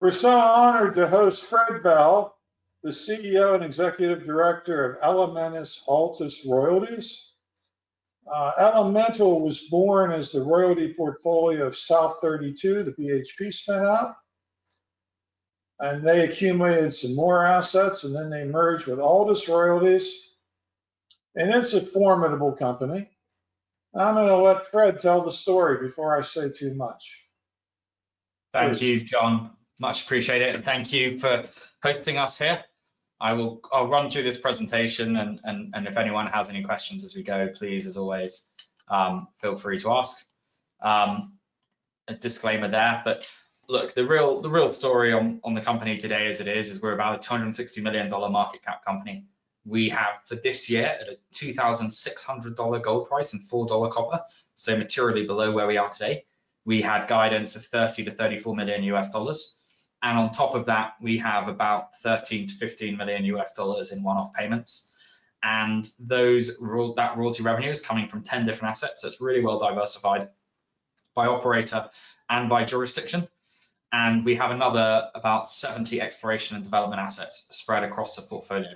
We're so honored to host Fred Bell, the CEO and Executive Director of Elemental Altus Royalties. Elemental was born as the royalty portfolio of South32 that BHP spun out, and they accumulated some more assets, and then they merged with Altus Royalties. It's a formidable company. I'm going to let Fred tell the story before I say too much. Thank you, John. Much appreciated. Thank you for hosting us here. I will run through this presentation, and if anyone has any questions as we go, please, as always, feel free to ask. A disclaimer there, but look, the real story on the company today as it is, is we're about a $260 million market cap company. We have, for this year, at a $2,600 gold price and $4 copper, so materially below where we are today. We had guidance of $30-$34 million U.S. dollars. On top of that, we have about $13-$15 million U.S. dollars in one-off payments. That royalty revenue is coming from 10 different assets. That's really well diversified by operator and by jurisdiction. We have another about 70 exploration and development assets spread across the portfolio,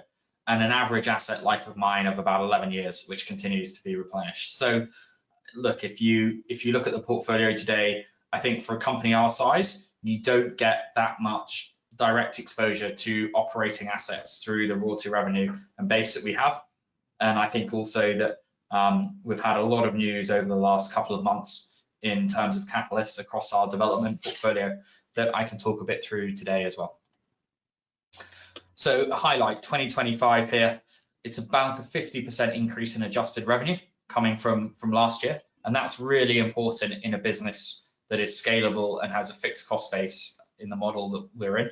and an average asset life of mine of about 11 years, which continues to be replenished. If you look at the portfolio today, I think for a company our size, you do not get that much direct exposure to operating assets through the royalty revenue and base that we have. I think also that we have had a lot of news over the last couple of months in terms of catalysts across our development portfolio that I can talk a bit through today as well. A highlight, 2025 here, it is about a 50% increase in adjusted revenue coming from last year. That is really important in a business that is scalable and has a fixed cost base in the model that we are in.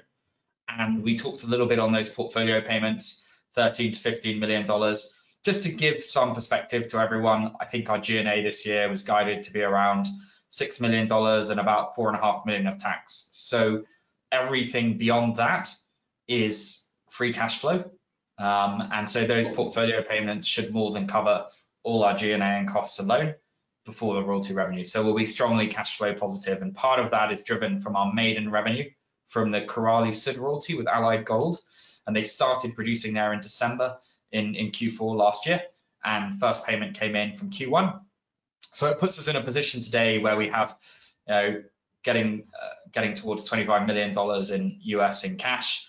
We talked a little bit on those portfolio payments, $13 million-$15 million. Just to give some perspective to everyone, I think our G&A this year was guided to be around $6 million and about $4.5 million of tax. Everything beyond that is free cash flow. Those portfolio payments should more than cover all our G&A and costs alone before the royalty revenue. We will be strongly cash flow positive. Part of that is driven from our maiden revenue from the Korali Sud royalty with Allied Gold. They started producing there in December in Q4 last year. First payment came in from Q1. It puts us in a position today where we have getting towards $25 million in U.S. in cash.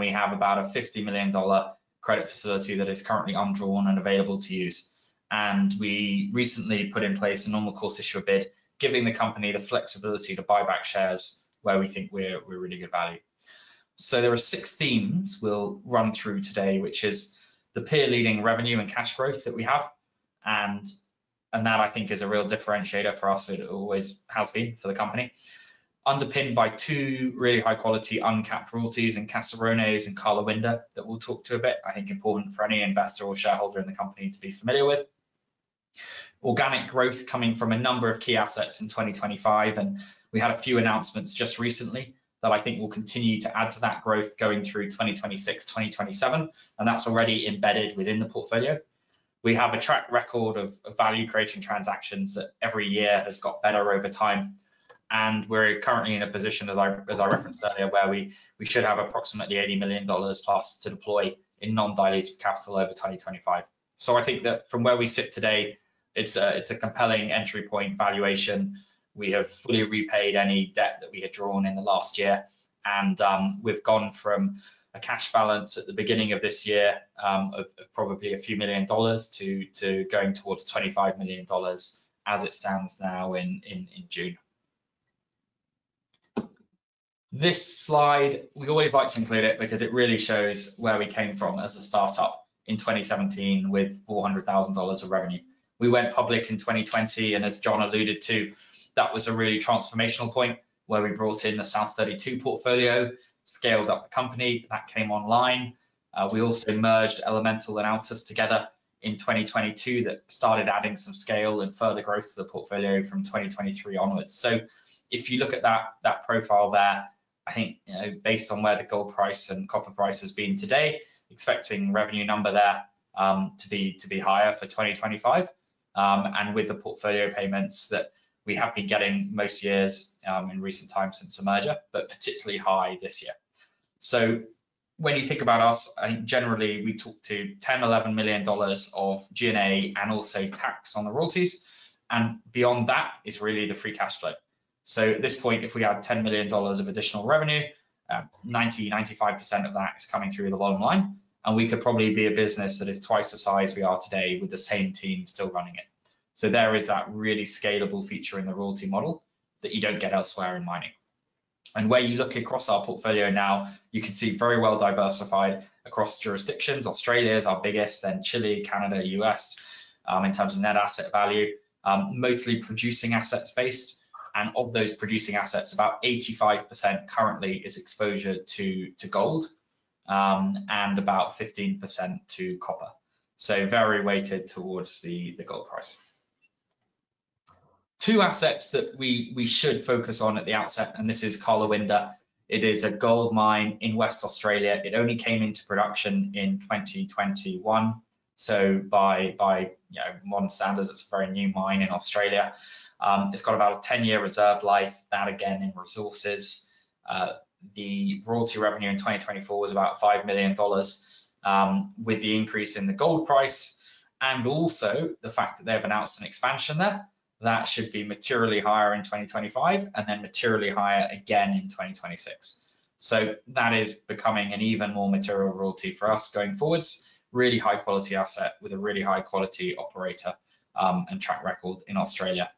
We have about a $50 million credit facility that is currently undrawn and available to use. We recently put in place a normal course issuer bid, giving the company the flexibility to buy back shares where we think we're really good value. There are six themes we'll run through today, which is the peer-leading revenue and cash growth that we have. That, I think, is a real differentiator for us, and it always has been for the company, underpinned by two really high-quality uncapped royalties in Casserones and Karlawinda that we'll talk to a bit. I think important for any investor or shareholder in the company to be familiar with. Organic growth coming from a number of key assets in 2025. We had a few announcements just recently that I think will continue to add to that growth going through 2026, 2027. That is already embedded within the portfolio. We have a track record of value-creating transactions that every year has got better over time. We are currently in a position, as I referenced earlier, where we should have approximately $80 million-plus to deploy in non-diluted capital over 2025. I think that from where we sit today, it is a compelling entry point valuation. We have fully repaid any debt that we had drawn in the last year. We have gone from a cash balance at the beginning of this year of probably a few million dollars to going towards $25 million as it stands now in June. This slide, we always like to include it because it really shows where we came from as a startup in 2017 with $400,000 of revenue. We went public in 2020. As John alluded to, that was a really transformational point where we brought in the South32 portfolio, scaled up the company that came online. We also merged Elemental and Altus together in 2022. That started adding some scale and further growth to the portfolio from 2023 onwards. If you look at that profile there, I think based on where the gold price and copper price has been today, expecting revenue number there to be higher for 2025. With the portfolio payments that we have been getting most years in recent time since the merger, but particularly high this year. When you think about us, I think generally we talk to $10 million-$11 million of G&A and also tax on the royalties. Beyond that is really the free cash flow. At this point, if we have $10 million of additional revenue, 90%-95% of that is coming through the bottom line. We could probably be a business that is twice the size we are today with the same team still running it. There is that really scalable feature in the royalty model that you do not get elsewhere in mining. Where you look across our portfolio now, you can see very well diversified across jurisdictions. Australia is our biggest, then Chile, Canada, U.S. in terms of net asset value, mostly producing assets based. Of those producing assets, about 85% currently is exposure to gold and about 15% to copper, so very weighted towards the gold price. Two assets that we should focus on at the outset, and this is Karlawinda. It is a gold mine in Western Australia. It only came into production in 2021. By modern standards, it's a very new mine in Australia. It's got about a 10-year reserve life. That again in resources. The royalty revenue in 2024 was about $5 million with the increase in the gold price. Also, the fact that they've announced an expansion there, that should be materially higher in 2025 and then materially higher again in 2026. That is becoming an even more material royalty for us going forwards. Really high-quality asset with a really high-quality operator and track record in Australia.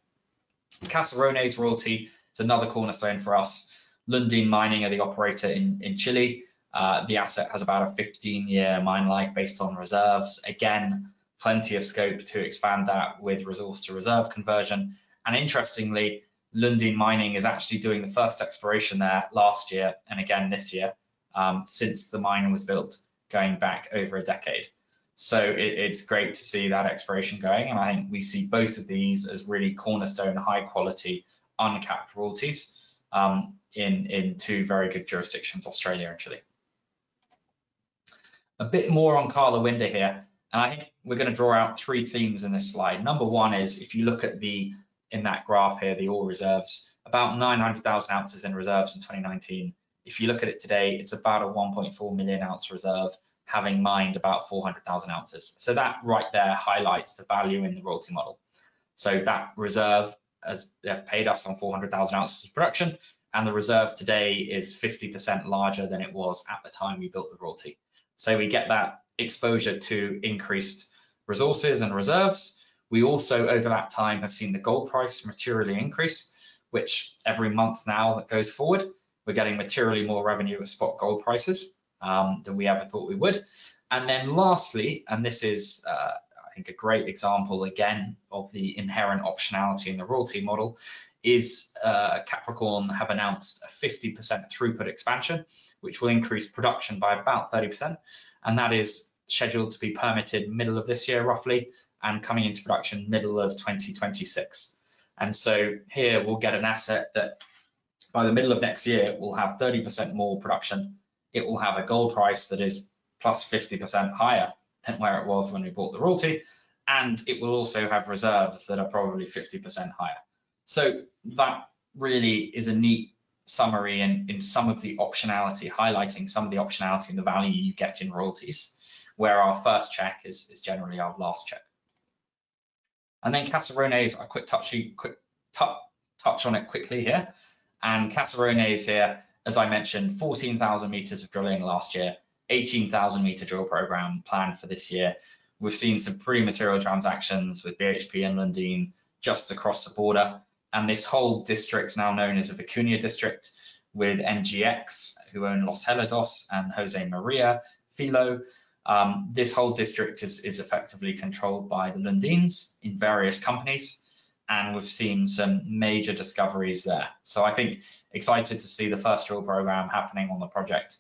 Casserones Royalty, it's another cornerstone for us. Lundin Mining are the operator in Chile. The asset has about a 15-year mine life based on reserves. Again, plenty of scope to expand that with resource to reserve conversion. Interestingly, Lundin Mining is actually doing the first exploration there last year and again this year since the mine was built, going back over a decade. It is great to see that exploration going. I think we see both of these as really cornerstone high-quality uncapped royalties in two very good jurisdictions, Australia and Chile. A bit more on Karlawinda here. I think we are going to draw out three themes in this slide. Number one is if you look at the, in that graph here, the ore reserves, about 900,000 ounces in reserves in 2019. If you look at it today, it is about a 1.4 million ounce reserve having mined about 400,000 ounces. That right there highlights the value in the royalty model. That reserve has paid us on 400,000 ounces of production. The reserve today is 50% larger than it was at the time we built the royalty. We get that exposure to increased resources and reserves. We also over that time have seen the gold price materially increase, which every month now that goes forward, we're getting materially more revenue at spot gold prices than we ever thought we would. Lastly, and this is, I think, a great example again of the inherent optionality in the royalty model, Capricorn have announced a 50% throughput expansion, which will increase production by about 30%. That is scheduled to be permitted middle of this year, roughly, and coming into production middle of 2026. Here we'll get an asset that by the middle of next year, it will have 30% more production. It will have a gold price that is plus 50% higher than where it was when we bought the royalty. It will also have reserves that are probably 50% higher. That really is a neat summary in some of the optionality, highlighting some of the optionality and the value you get in royalties, where our first check is generally our last checkCapricorn I will touch on it quickly here. Casserones, as I mentioned, 14,000 meters of drilling last year, 18,000 meter drill program planned for this year. We have seen some pre-material transactions with BHP and Lundin just across the border. This whole district is now known as the Vicuña District with NGX, who own Los Helados and Jose Maria Filo. This whole district is effectively controlled by the Lundins in various companies. We have seen some major discoveries there. I think excited to see the first drill program happening on the project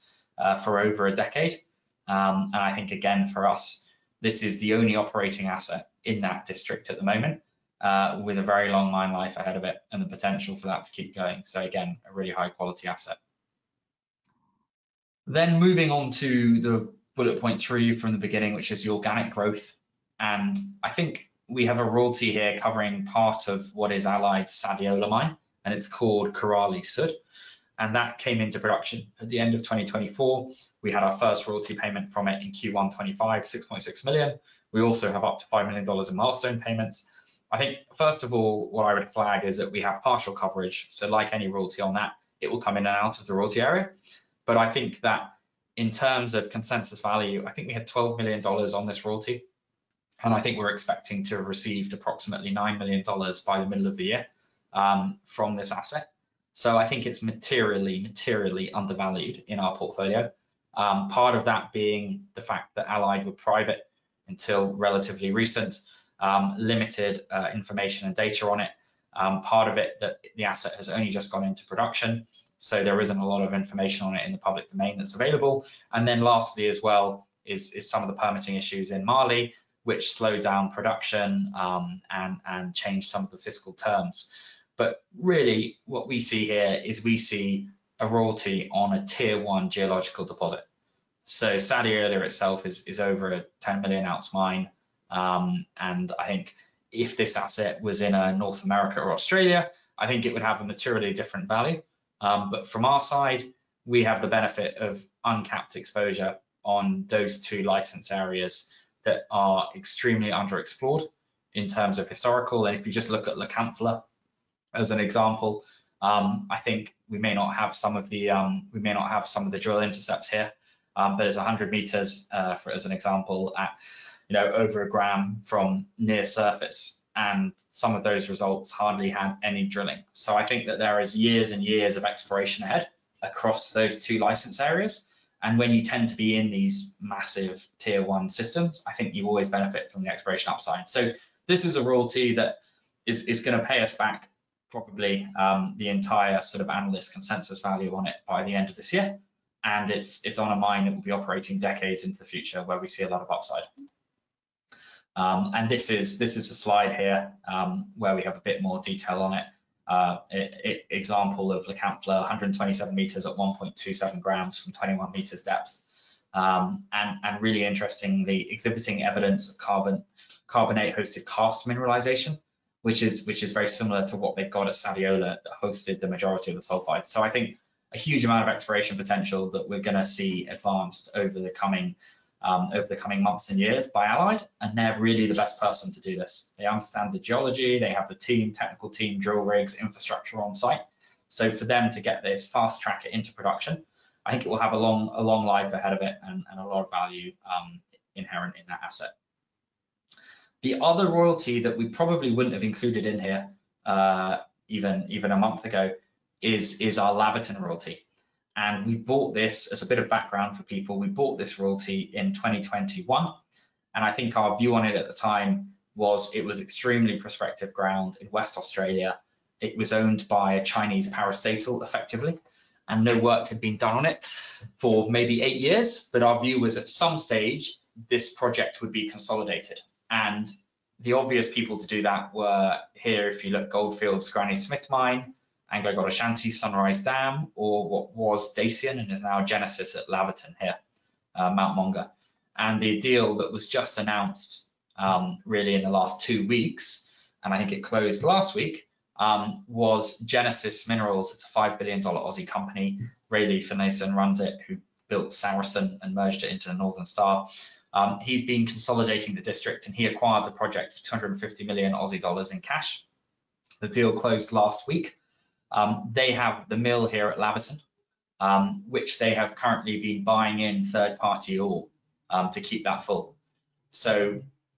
for over a decade. I think, again, for us, this is the only operating asset in that district at the moment, with a very long mine life ahead of it and the potential for that to keep going. Again, a really high-quality asset. Moving on to the bullet point three from the beginning, which is the organic growth. I think we have a royalty here covering part of what is Allied Gold Sadiola. It is called Corrales Syd. That came into production at the end of 2024. We had our first royalty payment from it in Q1 2025, $6.6 million. We also have up to $5 million in milestone payments. I think first of all, what I would flag is that we have partial coverage. Like any royalty on that, it will come in and out of the royalty area. I think that in terms of consensus value, we have $12 million on this royalty. I think we're expecting to have received approximately $9 million by the middle of the year from this asset. I think it's materially, materially undervalued in our portfolio, part of that being the fact that Allied were private until relatively recent, limited information and data on it. Part of it is that the asset has only just gone into production, so there isn't a lot of information on it in the public domain that's available. Lastly as well is some of the permitting issues in Mali, which slowed down production and changed some of the fiscal terms. Really what we see here is we see a royalty on a tier one geological deposit. Sadiola itself is over a 10 million ounce mine. I think if this asset was in North America or Australia, it would have a materially different value. From our side, we have the benefit of uncapped exposure on those two license areas that are extremely underexplored in terms of historical. If you just look at La Canfla as an example, we may not have some of the drill intercepts here, but it is 100 meters as an example at over a gram from near surface. Some of those results hardly had any drilling. I think that there are years and years of exploration ahead across those two license areas. When you tend to be in these massive tier one systems, I think you always benefit from the exploration upside. This is a royalty that is going to pay us back probably the entire sort of analyst consensus value on it by the end of this year. It is on a mine that will be operating decades into the future where we see a lot of upside. This is a slide here where we have a bit more detail on it. Example of La Canfla, 127 meters at 1.27 grams from 21 meters depth. Really interesting, the exhibiting evidence of carbonate hosted cast mineralization, which is very similar to what they have got at Sadiola that hosted the majority of the sulfides. I think a huge amount of exploration potential that we are going to see advanced over the coming months and years by Allied. They are really the best person to do this. They understand the geology. They have the team, technical team, drill rigs, infrastructure on site. For them to get this fast track into production, I think it will have a long life ahead of it and a lot of value inherent in that asset. The other royalty that we probably would not have included in here even a month ago is our Laverton royalty. We bought this as a bit of background for people. We bought this royalty in 2021. I think our view on it at the time was it was extremely prospective ground in Western Australia. It was owned by a Chinese parastatal effectively. No work had been done on it for maybe eight years. Our view was at some stage, this project would be consolidated. The obvious people to do that were here, if you look, Gold Fields, Granny Smith Mine, AngloGold Ashanti, Sunrise Dam, or what was Dacian and is now Genesis at Laverton here, Mount Monger. The deal that was just announced really in the last two weeks, and I think it closed last week, was Genesis Minerals. It is a $5 billion company. Raleigh Finlayson runs it, who built Saracen and merged it into Northern Star. He has been consolidating the district, and he acquired the project for $250 million in cash. The deal closed last week. They have the mill here at Laverton, which they have currently been buying in third-party ore to keep that full.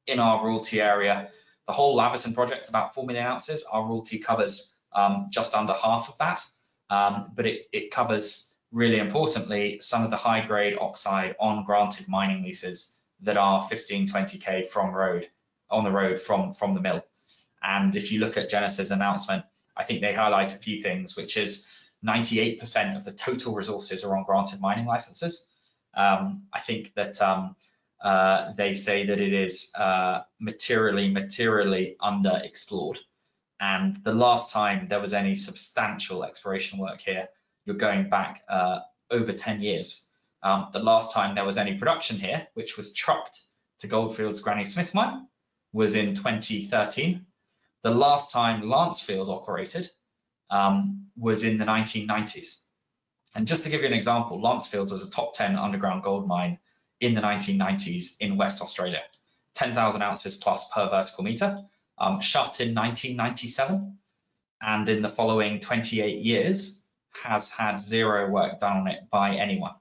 In our royalty area, the whole Laverton project is about 4 million ounces. Our royalty covers just under half of that. It covers, really importantly, some of the high-grade oxide on granted mining leases that are 15-20 km from the road from the mill. If you look at Genesis's announcement, I think they highlight a few things, which is 98% of the total resources are on granted mining licenses. I think that they say that it is materially, materially underexplored. The last time there was any substantial exploration work here, you're going back over 10 years. The last time there was any production here, which was trucked to Gold Fields, Granny Smith Mine, was in 2013. The last time Lancefield operated was in the 1990s. Just to give you an example, Lancefield was a top 10 underground gold mine in the 1990s in Western Australia, 10,000 ounces plus per vertical meter, shut in 1997. In the following 28 years, has had zero work done on it by anyone.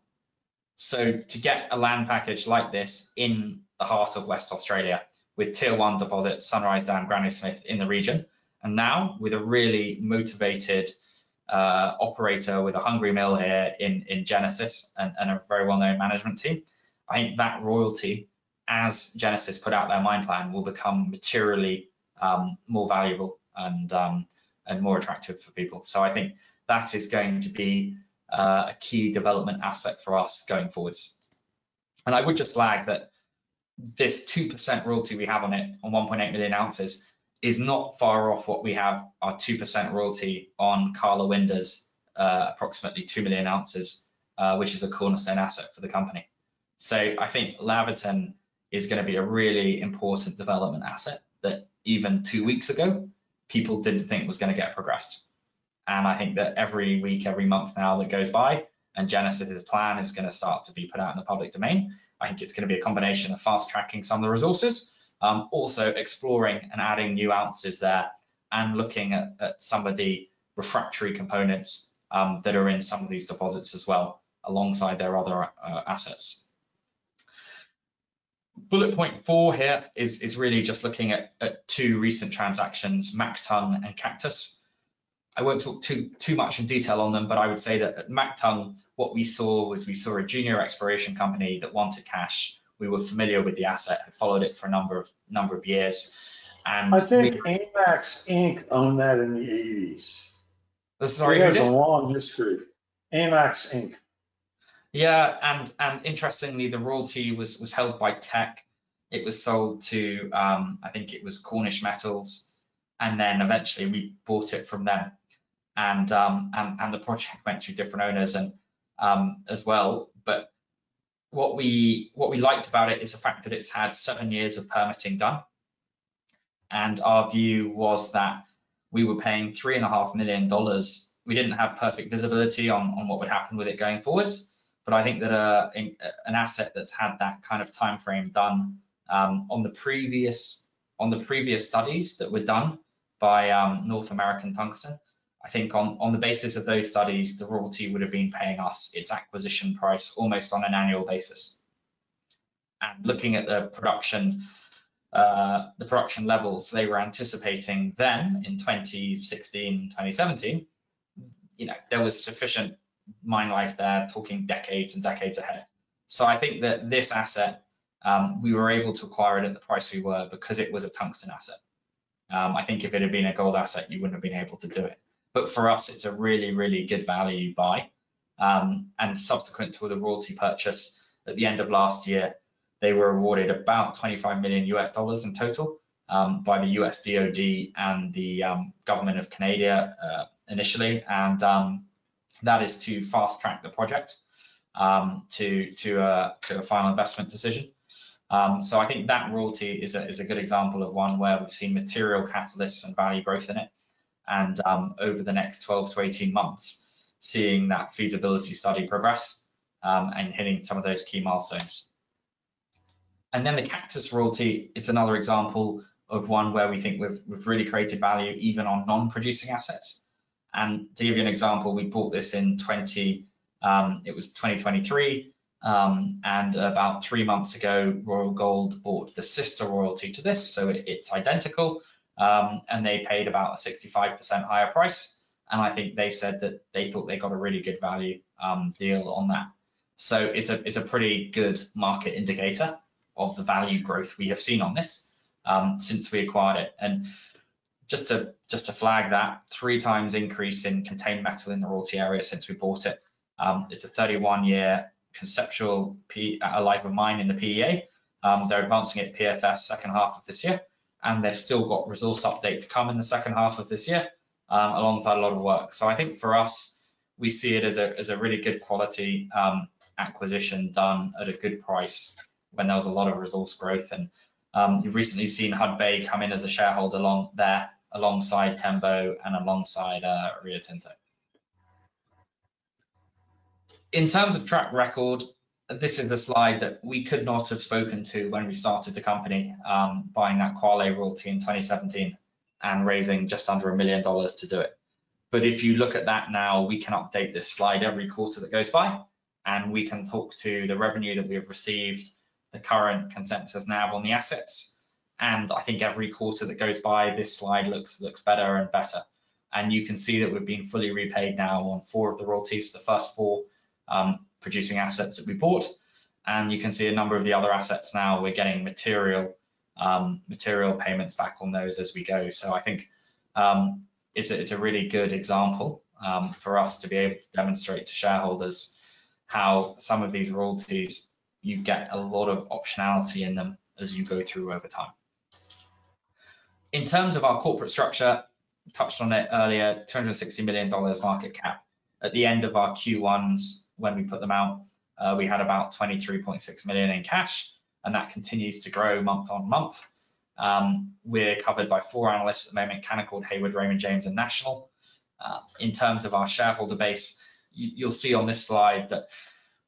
To get a land package like this in the heart of Western Australia with a tier one deposit, Sunrise Dam, Granny Smith in the region, and now with a really motivated operator with a hungry mill here in Genesis and a very well-known management team, I think that royalty, as Genesis put out their mine plan, will become materially more valuable and more attractive for people. I think that is going to be a key development asset for us going forwards. I would just flag that this 2% royalty we have on it, on 1.8 million ounces, is not far off what we have our 2% royalty on Karlawinda's approximately 2 million ounces, which is a cornerstone asset for the company. I think Laverton is going to be a really important development asset that even two weeks ago, people did not think was going to get progressed. I think that every week, every month now that goes by, and Genesis's plan is going to start to be put out in the public domain. I think it is going to be a combination of fast tracking some of the resources, also exploring and adding new ounces there and looking at some of the refractory components that are in some of these deposits as well alongside their other assets. Bullet point four here is really just looking at two recent transactions, Mactung and Cactus. I will not talk too much in detail on them, but I would say that at Mactung, what we saw was we saw a junior exploration company that wanted cash. We were familiar with the asset and followed it for a number of years. I think AMAX Inc. owned that in the 1980s. That is a long history. AMAX Inc., yeah. Interestingly, the royalty was held by Teck. It was sold to, I think it was Cornish Metals, and then eventually we bought it from them. The project went through different owners as well. What we liked about it is the fact that it has had seven years of permitting done. Our view was that we were paying $3.5 million. We did not have perfect visibility on what would happen with it going forwards. I think that an asset that's had that kind of timeframe done on the previous studies that were done by North American Tungsten, I think on the basis of those studies, the royalty would have been paying us its acquisition price almost on an annual basis. Looking at the production levels they were anticipating then in 2016, 2017, there was sufficient mine life there, talking decades and decades ahead. I think that this asset, we were able to acquire it at the price we were because it was a tungsten asset. I think if it had been a gold asset, you wouldn't have been able to do it. For us, it's a really, really good value buy. Subsequent to the royalty purchase at the end of last year, they were awarded about $25 million in total by the U.S. DOD and the government of Canada initially. That is to fast track the project to a final investment decision. I think that royalty is a good example of one where we've seen material catalysts and value growth in it. Over the next 12 months-18 months, seeing that feasibility study progress and hitting some of those key milestones. The Cactus Royalty is another example of one where we think we've really created value even on non-producing assets. To give you an example, we bought this in 2023. About three months ago, Royal Gold bought the sister royalty to this, so it's identical, and they paid about a 65% higher price. I think they said that they thought they got a really good value deal on that. It is a pretty good market indicator of the value growth we have seen on this since we acquired it. Just to flag that, three times increase in contained metal in the royalty area since we bought it. It is a 31-year conceptual life of mine in the PEA. They are advancing it PFS second half of this year. They have still got resource update to come in the second half of this year alongside a lot of work. I think for us, we see it as a really good quality acquisition done at a good price when there was a lot of resource growth. You have recently seen Hudbay come in as a shareholder along there alongside Tembo and alongside Rio Tinto. In terms of track record, this is the slide that we could not have spoken to when we started the company buying that Qualay royalty in 2017 and raising just under $1 million to do it. If you look at that now, we can update this slide every quarter that goes by. We can talk to the revenue that we have received, the current consensus NAV on the assets. I think every quarter that goes by, this slide looks better and better. You can see that we've been fully repaid now on four of the royalties, the first four producing assets that we bought. You can see a number of the other assets now. We're getting material payments back on those as we go. I think it's a really good example for us to be able to demonstrate to shareholders how some of these royalties, you get a lot of optionality in them as you go through over time. In terms of our corporate structure, touched on it earlier, $260 million market cap. At the end of our Q1s, when we put them out, we had about $23.6 million in cash. And that continues to grow month on month. We're covered by four analysts at the moment, Canaccord, Haywood, Raymond James, and National. In terms of our shareholder base, you'll see on this slide that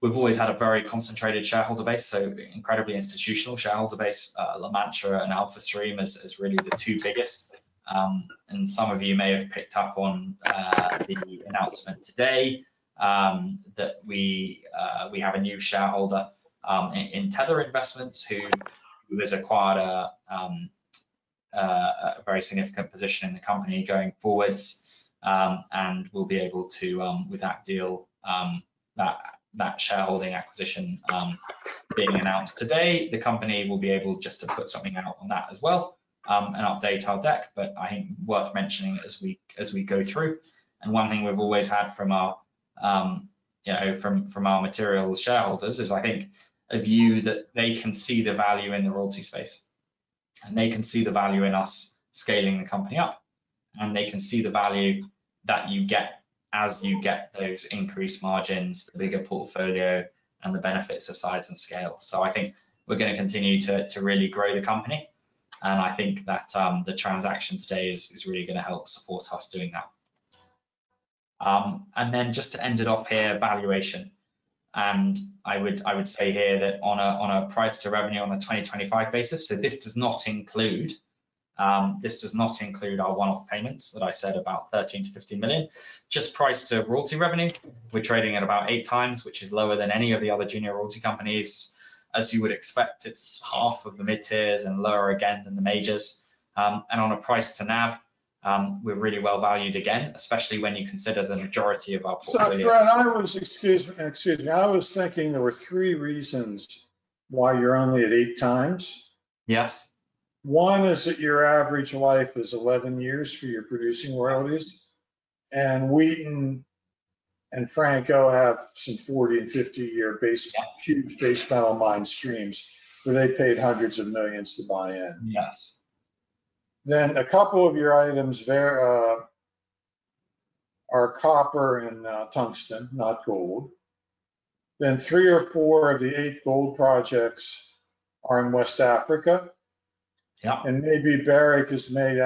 we've always had a very concentrated shareholder base, so incredibly institutional shareholder base. La Mancha and Alpha Stream is really the two biggest. Some of you may have picked up on the announcement today that we have a new shareholder in Tether Investments who has acquired a very significant position in the company going forwards and will be able to, with that deal, that shareholding acquisition being announced today, the company will be able just to put something out on that as well and update our deck. I think worth mentioning as we go through. One thing we've always had from our material shareholders is I think a view that they can see the value in the royalty space. They can see the value in us scaling the company up. They can see the value that you get as you get those increased margins, the bigger portfolio, and the benefits of size and scale. I think we're going to continue to really grow the company. I think that the transaction today is really going to help support us doing that. Just to end it off here, valuation. I would say here that on a price to revenue on a 2025 basis, this does not include our one-off payments that I said about $13 million-$15 million, just price to royalty revenue. We're trading at about eight times, which is lower than any of the other junior royalty companies. As you would expect, it's half of the mid-tiers and lower again than the majors. On a price to NAV, we're really well valued again, especially when you consider the majority of our portfolio. Brad, excuse me, excuse me. I was thinking there were three reasons why you're only at eight times. Yes. One is that your average life is 11 years for your producing royalties. Wheaton and Franco have some 40- and 50-year huge base metal mine streams where they paid hundreds of millions to buy in. Yes. A couple of your items there are copper and tungsten, not gold. Three or four of the eight gold projects are in West Africa. Maybe Barrick has made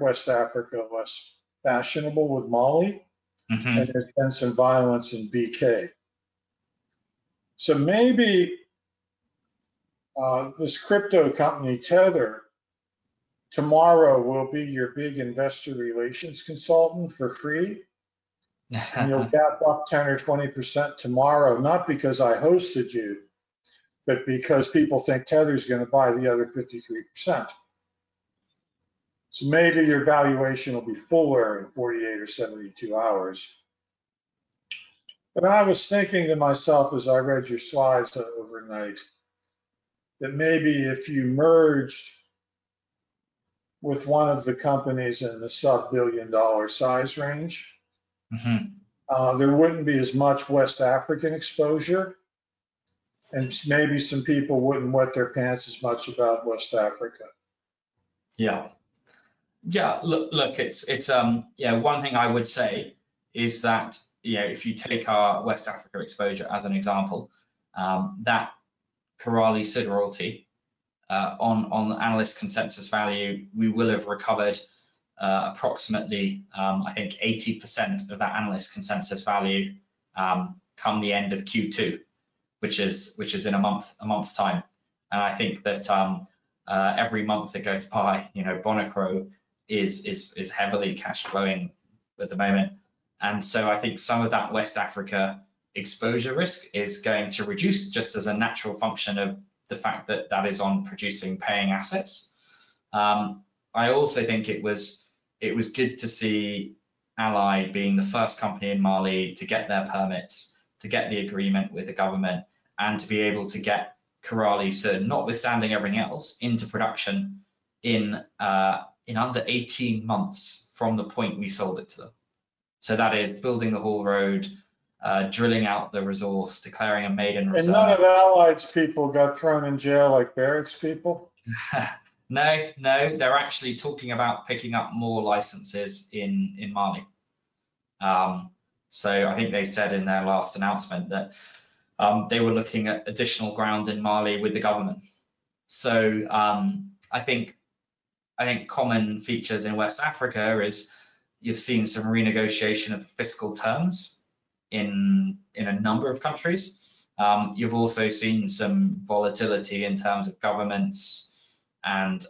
West Africa less fashionable with Mali. There has been some violence in BK. Maybe this crypto company, Tether, tomorrow will be your big investor relations consultant for free. You will cap up 10% or 20% tomorrow, not because I hosted you, but because people think Tether is going to buy the other 53%. Maybe your valuation will be fuller in 48 hours or 72 hours. I was thinking to myself as I read your slides overnight that maybe if you merged with one of the companies in the sub-billion-dollar size range, there would not be as much West African exposure. Maybe some people would not wet their pants as much about West Africa. Yeah. Yeah. Look, yeah, one thing I would say is that if you take our West Africa exposure as an example, that Coralie Sid royalty on analyst consensus value, we will have recovered approximately, I think, 80% of that analyst consensus value come the end of Q2, which is in a month's time. I think that every month that goes by, Bonacro is heavily cash flowing at the moment. I think some of that West Africa exposure risk is going to reduce just as a natural function of the fact that that is on producing paying assets. I also think it was good to see Allied Gold being the first company in Mali to get their permits, to get the agreement with the government, and to be able to get Corrales Syd, notwithstanding everything else, into production in under 18 months from the point we sold it to them. That is building the whole road, drilling out the resource, declaring a maiden reserve. And none of Allied Gold's people got thrown in jail like Barrick's people? No, no. They're actually talking about picking up more licenses in Mali. I think they said in their last announcement that they were looking at additional ground in Mali with the government. I think common features in West Africa are you've seen some renegotiation of fiscal terms in a number of countries. You've also seen some volatility in terms of governments and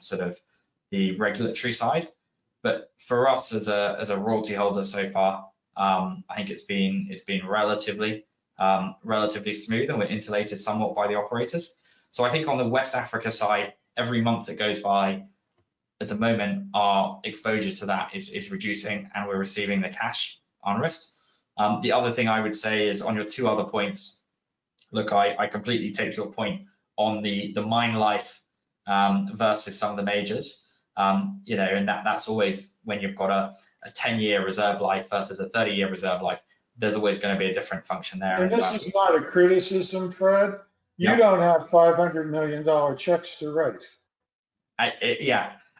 sort of the regulatory side. For us as a royalty holder so far, I think it's been relatively smooth and we're insulated somewhat by the operators. I think on the West Africa side, every month that goes by, at the moment, our exposure to that is reducing and we're receiving the cash on risk. The other thing I would say is on your two other points, look, I completely take your point on the mine life versus some of the majors. That's always when you've got a 10-year reserve life versus a 30-year reserve life, there's always going to be a different function there. This is not a criticism, Fred. You don't have $500 million checks to write.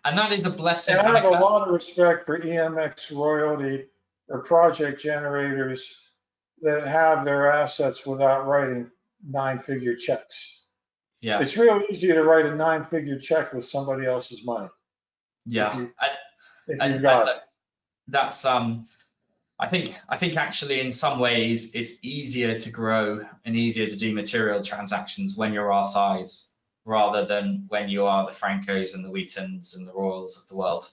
Yeah. That is a blessing. I have a lot of respect for EMX Royalty or project generators that have their assets without writing nine-figure checks. It's real easy to write a nine-figure check with somebody else's money. Yeah. Exactly I think actually in some ways, it's easier to grow and easier to do material transactions when you're our size rather than when you are the Francos and the Wheatons and the Royals of the world.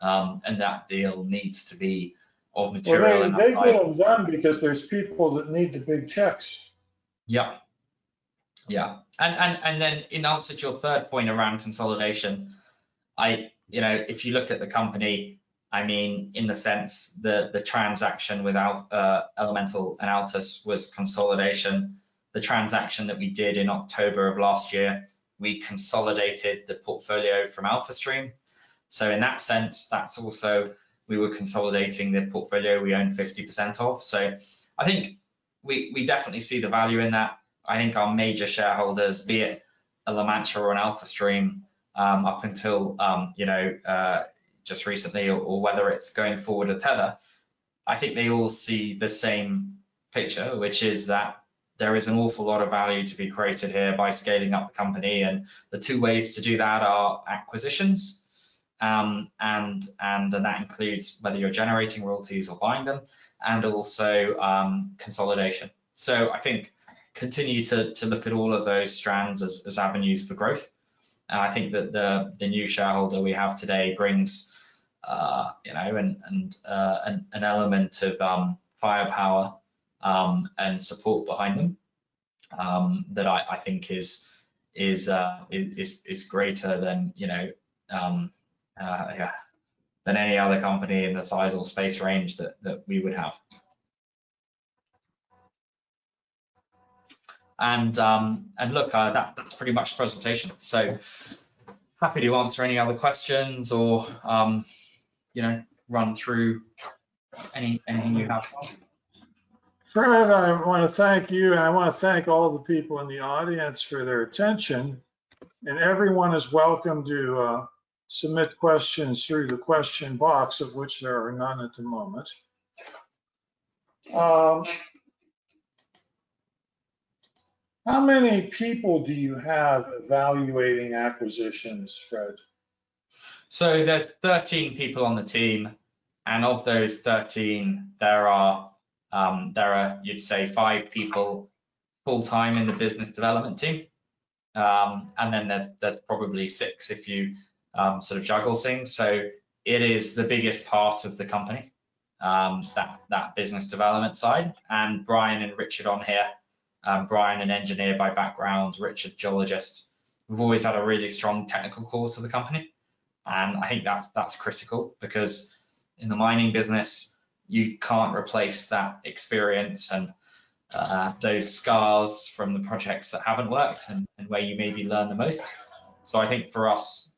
That deal needs to be of material value. They go on one because there's people that need the big checks. .Yeah. Yeah. In answer to your third point around consolidation, if you look at the company, I mean, in the sense that the transaction without Elemental and Altus was consolidation. The transaction that we did in October of last year, we consolidated the portfolio from Alpha Stream. In that sense, that's also we were consolidating the portfolio we owned 50% of. I think we definitely see the value in that. I think our major shareholders, be it a La Mancha or an Alpha Stream, up until just recently, or whether it's going forward at Tether, I think they all see the same picture, which is that there is an awful lot of value to be created here by scaling up the company. The two ways to do that are acquisitions. That includes whether you're generating royalties or buying them and also consolidation. I think continue to look at all of those strands as avenues for growth. I think that the new shareholder we have today brings an element of firepower and support behind them that I think is greater than any other company in the size or space range that we would have. Look, that's pretty much the presentation. Happy to answer any other questions or run through anything you have. Brad, I want to thank you. I want to thank all the people in the audience for their attention. Everyone is welcome to submit questions through the question box, of which there are none at the moment. How many people do you have evaluating acquisitions, Fred? There are 13 people on the team. Of those 13, there are, you'd say, five people full-time in the business development team. There is probably six if you sort of juggle things. It is the biggest part of the company, that business development side. Brian and Richard on here, Brian an engineer by background, Richard geologist, have always had a really strong technical core to the company. I think that's critical because in the mining business, you can't replace that experience and those scars from the projects that haven't worked and where you maybe learn the most. I think for us,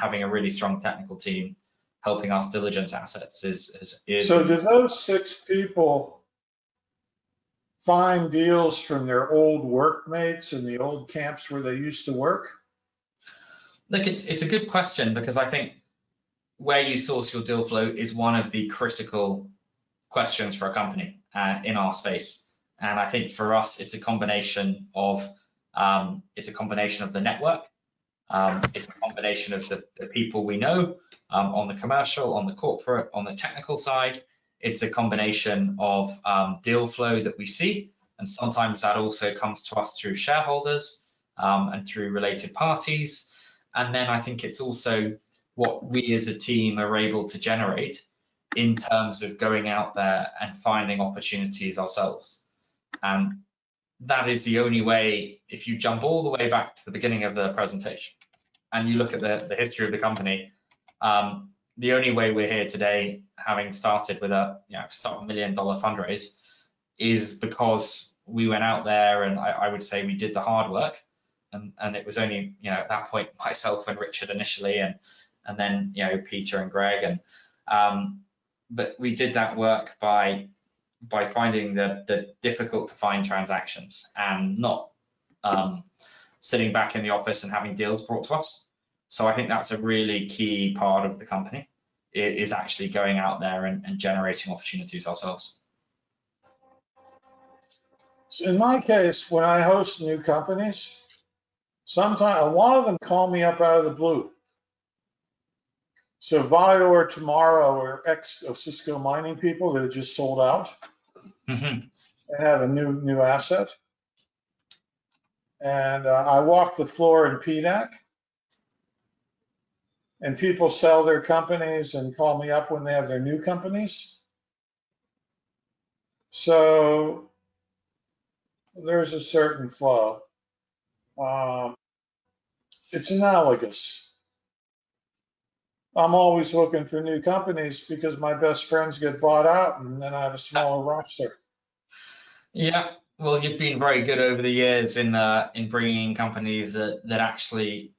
having a really strong technical team helping us diligence assets is crucial. Do those six people find deals from their old workmates in the old camps where they used to work? Look, it's a good question because I think where you source your deal flow is one of the critical questions for a company in our space. I think for us, it's a combination of the network. It's a combination of the people we know on the commercial, on the corporate, on the technical side. It's a combination of deal flow that we see. Sometimes that also comes to us through shareholders and through related parties. I think it's also what we as a team are able to generate in terms of going out there and finding opportunities ourselves. That is the only way if you jump all the way back to the beginning of the presentation and you look at the history of the company, the only way we're here today having started with a sub-million-dollar fundraise is because we went out there and I would say we did the hard work. It was only at that point, myself and Richard initially, and then Peter and Greg. We did that work by finding the difficult-to-find transactions and not sitting back in the office and having deals brought to us. I think that's a really key part of the company, actually going out there and generating opportunities ourselves. In my case, when I host new companies, a lot of them call me up out of the blue. Vior Tomorrow or X of Cisco Mining people that are just sold out and have a new asset. I walk the floor in PDAC. People sell their companies and call me up when they have their new companies. There is a certain flow. It is analogous. I am always looking for new companies because my best friends get bought out and then I have a smaller roster. You have been very good over the years in bringing in companies that actually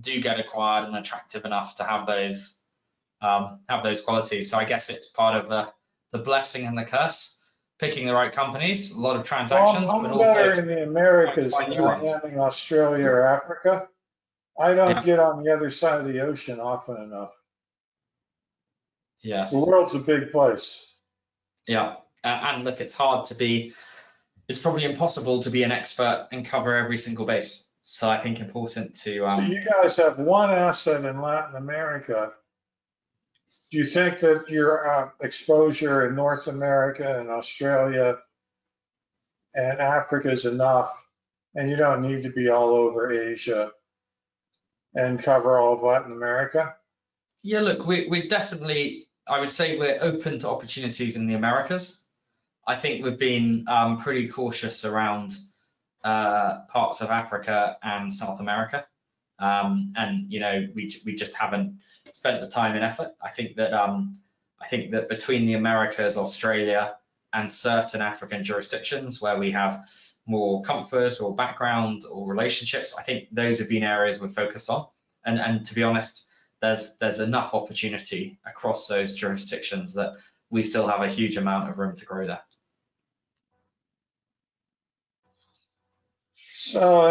do get acquired and attractive enough to have those qualities. I guess it is part of the blessing and the curse, picking the right companies, a lot of transactions, but also. I am there in the Americas. If I am in Australia or Africa, I do not get on the other side of the ocean often enough. The world is a big place. Look, it's hard to be, it's probably impossible to be an expert and cover every single base. I think important to. You guys have one asset in Latin America. Do you think that your exposure in North America and Australia and Africa is enough and you don't need to be all over Asia and cover all of Latin America? Yeah. Look, we're definitely, I would say we're open to opportunities in the Americas. I think we've been pretty cautious around parts of Africa and South America. We just haven't spent the time and effort. I think that between the Americas, Australia, and certain African jurisdictions where we have more comfort or background or relationships, those have been areas we've focused on. To be honest, there's enough opportunity across those jurisdictions that we still have a huge amount of room to grow there.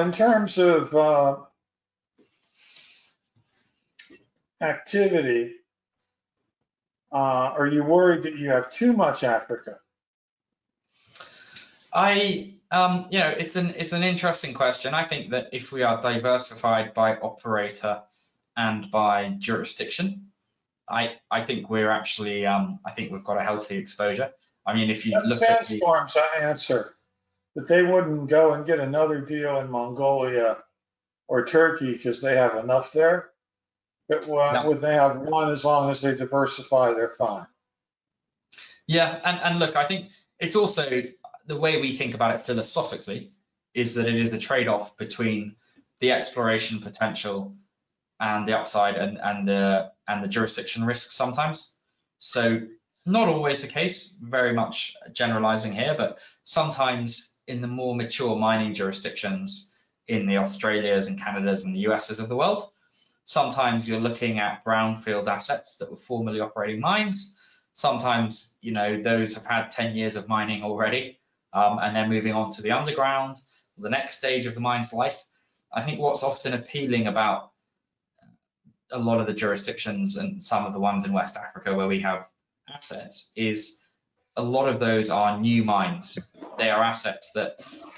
In terms of activity, are you worried that you have too much Africa? It's an interesting question. I think that if we are diversified by operator and by jurisdiction, I think we've actually got a healthy exposure. I mean, if you look at the—that's a sales forum's answer. They wouldn't go and get another deal in Mongolia or Turkey because they have enough there. Would they have one? As long as they diversify, they're fine. Yeah. I think it's also the way we think about it philosophically, that it is a trade-off between the exploration potential and the upside and the jurisdiction risk sometimes. Not always the case, very much generalizing here, but sometimes in the more mature mining jurisdictions in the Australias and Canadas and the U.S.s of the world, sometimes you're looking at brownfield assets that were formerly operating mines. Sometimes those have had 10 years of mining already and they're moving on to the underground, the next stage of the mine's life. I think what's often appealing about a lot of the jurisdictions and some of the ones in West Africa where we have assets is a lot of those are new mines. They are assets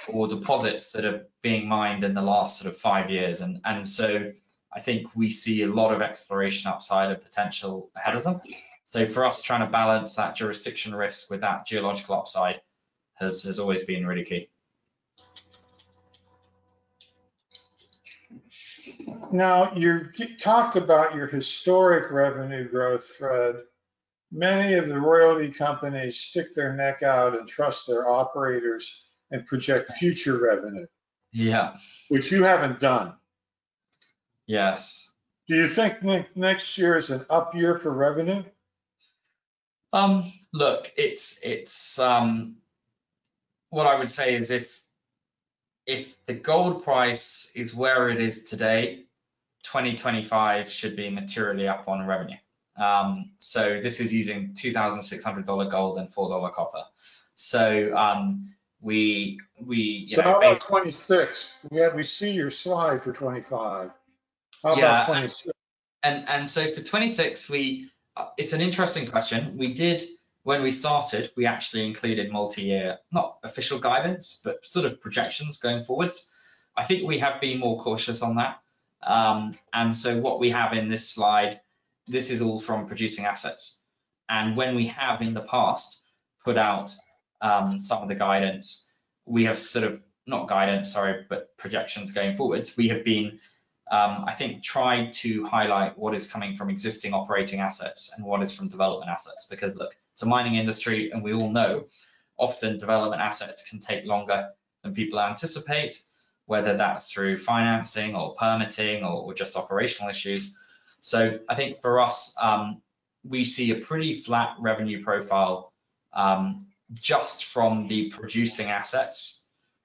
or deposits that are being mined in the last sort of five years. I think we see a lot of exploration outside of potential ahead of them. For us, trying to balance that jurisdiction risk with that geological upside has always been really key. Now, you talked about your historic revenue growth, Fred. Many of the royalty companies stick their neck out and trust their operators and project future revenue, which you have not done. Yes. Do you think next year is an up year for revenue? Look, what I would say is if the gold price is where it is today, 2025 should be materially up on revenue. This is using $2,600 gold and $4 copper. How about 2026? We had to see your slide for 2025. How about 2026? Yeah. For 2026, it is an interesting question. When we started, we actually included multi-year, not official guidance, but sort of projections going forwards. I think we have been more cautious on that. What we have in this slide, this is all from producing assets. When we have in the past put out some of the guidance, we have sort of, not guidance, sorry, but projections going forwards. We have been, I think, tried to highlight what is coming from existing operating assets and what is from development assets. Because look, it's a mining industry, and we all know often development assets can take longer than people anticipate, whether that's through financing or permitting or just operational issues. I think for us, we see a pretty flat revenue profile just from the producing assets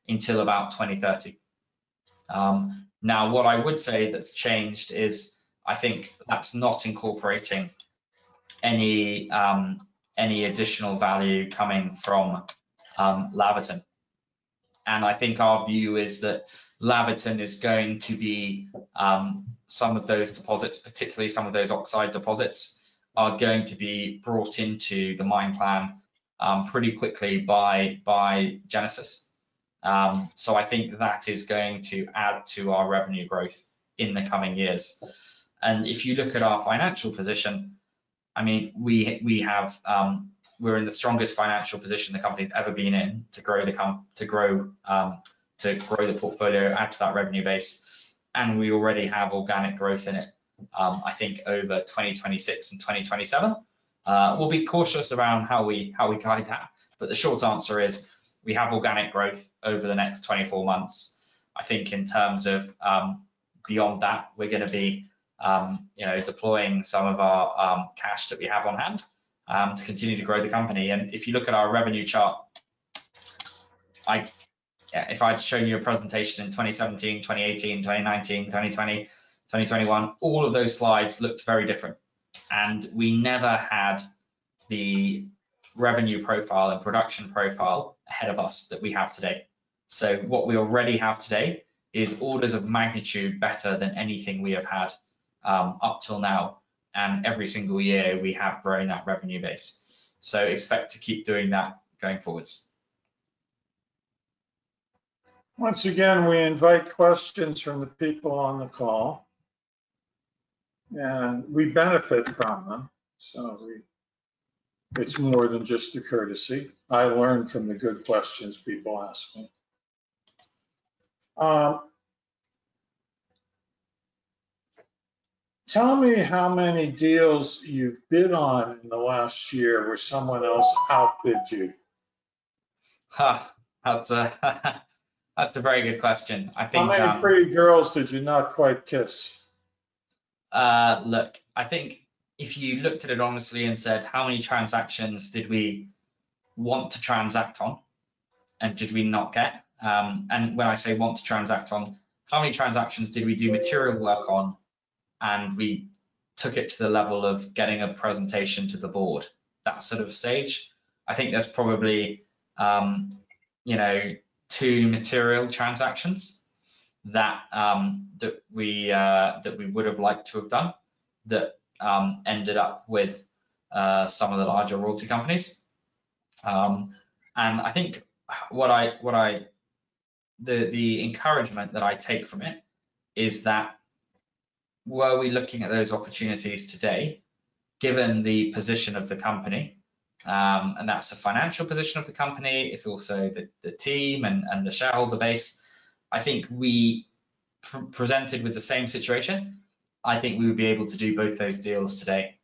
until about 2030. Now, what I would say that's changed is I think that's not incorporating any additional value coming from Laverton. I think our view is that Laverton is going to be some of those deposits, particularly some of those oxide deposits, are going to be brought into the mine plan pretty quickly by Genesis. I think that is going to add to our revenue growth in the coming years. If you look at our financial position, I mean, we're in the strongest financial position the company's ever been in to grow the portfolio, add to that revenue base. We already have organic growth in it, I think, over 2026 and 2027. We'll be cautious around how we guide that. The short answer is we have organic growth over the next 24 months. I think in terms of beyond that, we're going to be deploying some of our cash that we have on hand to continue to grow the company. If you look at our revenue chart, if I'd shown you a presentation in 2017, 2018, 2019, 2020, 2021, all of those slides looked very different. We never had the revenue profile and production profile ahead of us that we have today. What we already have today is orders of magnitude better than anything we have had up till now. Every single year, we have grown that revenue base. Expect to keep doing that going forwards. Once again, we invite questions from the people on the call. We benefit from them. It is more than just a courtesy. I learn from the good questions people ask me. Tell me how many deals you have bid on in the last year where someone else outbid you. That is a very good question, I think. How many pretty girls did you not quite kiss? Look, I think if you looked at it honestly and said, "How many transactions did we want to transact on and did we not get?" When I say want to transact on, how many transactions did we do material work on and we took it to the level of getting a presentation to the board, that sort of stage? I think there's probably two material transactions that we would have liked to have done that ended up with some of the larger royalty companies. I think the encouragement that I take from it is that were we looking at those opportunities today, given the position of the company, and that's the financial position of the company, it's also the team and the shareholder base, I think if we were presented with the same situation, I think we would be able to do both those deals today.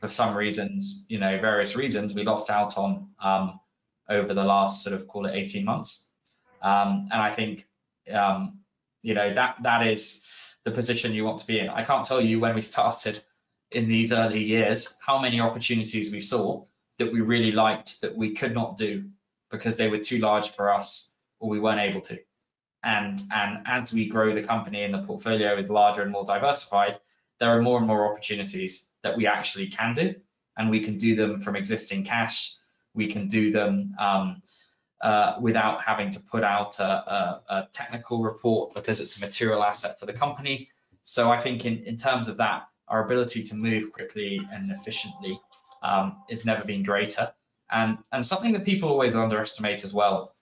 For some reasons, various reasons, we lost out on over the last sort of, call it, 18 months. I think that is the position you want to be in. I can't tell you when we started in these early years how many opportunities we saw that we really liked that we could not do because they were too large for us or we weren't able to. As we grow the company and the portfolio is larger and more diversified, there are more and more opportunities that we actually can do. We can do them from existing cash. We can do them without having to put out a technical report because it's a material asset for the company. I think in terms of that, our ability to move quickly and efficiently has never been greater. Something that people always underestimate as well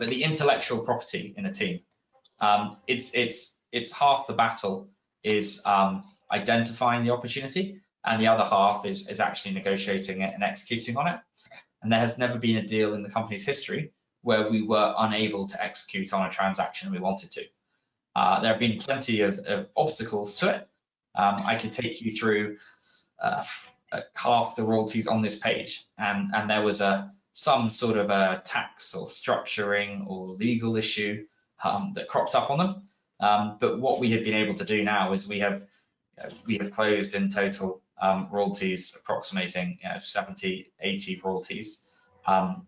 is the intellectual property in a team. Half the battle is identifying the opportunity and the other half is actually negotiating it and executing on it. There has never been a deal in the company's history where we were unable to execute on a transaction we wanted to. There have been plenty of obstacles to it. I could take you through half the royalties on this page, and there was some sort of a tax or structuring or legal issue that cropped up on them. What we have been able to do now is we have closed in total royalties approximating 70 royalties-80 royalties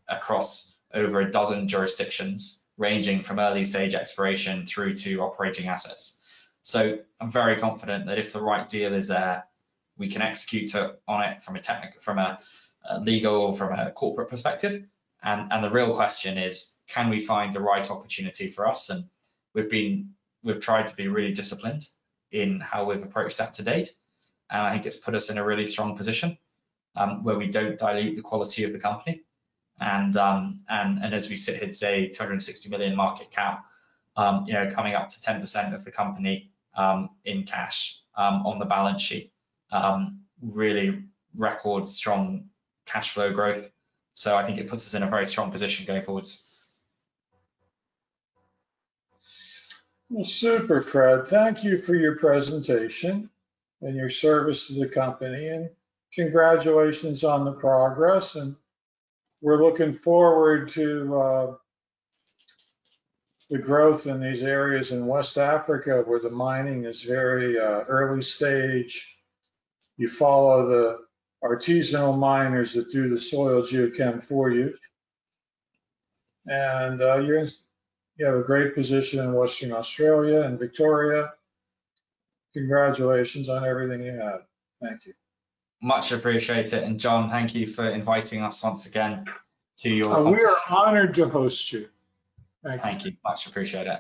across over a dozen jurisdictions ranging from early stage exploration through to operating assets. I'm very confident that if the right deal is there, we can execute on it from a legal or from a corporate perspective. The real question is, can we find the right opportunity for us? We've tried to be really disciplined in how we've approached that to date. I think it's put us in a really strong position where we don't dilute the quality of the company. As we sit here today, $260 million market cap, coming up to 10% of the company in cash on the balance sheet, really record strong cash flow growth. I think it puts us in a very strong position going forwards. Super, Fred. Thank you for your presentation and your service to the company. Congratulations on the progress. We're looking forward to the growth in these areas in West Africa where the mining is very early stage. You follow the artisanal miners that do the soil geochem for you. You have a great position in Western Australia and Victoria. Congratulations on everything you have. Thank you. Much appreciated. John, thank you for inviting us once again to your event. We are honored to host you. Thank you. Much appreciated.